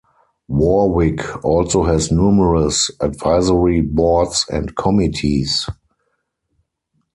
Wor-Wic also has numerous Advisory Boards and Committees.